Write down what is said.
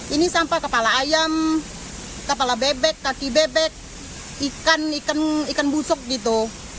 ini sampah kepala ayam kepala bebek kaki bebek ikan ikan busuk gitu